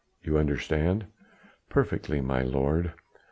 You understand?" "Perfectly, my lord.